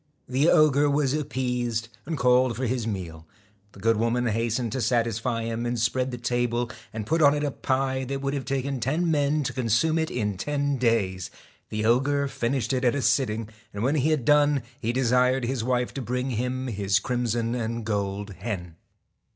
The ogre was appeased, and called for his meal. The good woman hastened to saflsfy him) and spread the table aird put on it a pie that would have taken ten men to consume it in ten days. The ogre finished it at a sitting, and when he had done he desired his wife to bring him his crimson and gold hen.